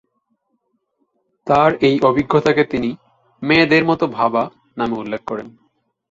তার এই অভিজ্ঞতাকে তিনি "মেয়েদের মত ভাবা" নামে উল্লেখ করেন।